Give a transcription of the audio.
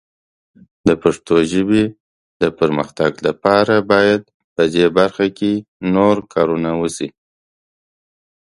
د پښتو ژبې د پرمختګ لپاره باید په دې برخه کې نور کارونه وشي.